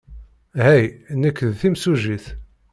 Hey, nekk d timsujjit.